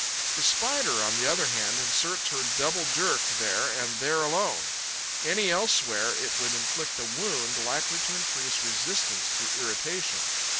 The Spider, on the other hand, inserts her double dirk there and there alone; any elsewhere it would inflict a wound likely to increase resistance through irritation.